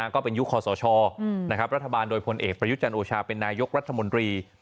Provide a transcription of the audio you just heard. ก็เป็นยุคคอสชรัฐบาลโดยพลเอกประยุจันทร์โอชาเป็นนายกรัฐมนตรี